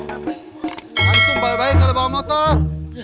langsung baik baik kalau bawa motor